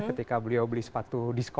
ketika beliau beli sepatu